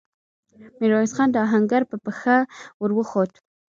ميرويس خان د آهنګر پر پښه ور وخووت.